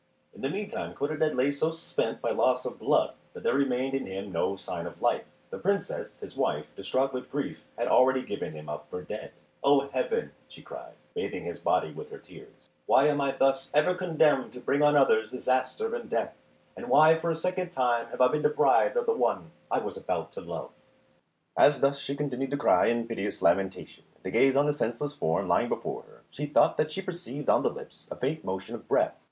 In the meantime Codadad lay so spent by loss of blood that there remained in him no sign of life. The Princess, his wife, distraught with grief, had already given him up for dead. "O Heaven," she cried, bathing his body with her tears, "why am I thus ever condemned to bring on others disaster and death, and why for a second time have I been deprived of the one I was about to love?" [Illustration: She found to her grief the place where Codadad had lain left vacant.] As thus she continued to cry in piteous lamentation, and to gaze on the senseless form lying before her, she thought that she perceived on the lips a faint motion of breath.